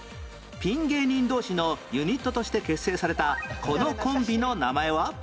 ピン芸人同士のユニットとして結成されたこのコンビの名前は？